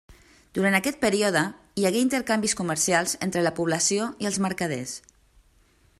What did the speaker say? Durant aquest període hi hagué intercanvis comercials entre la població i els mercaders.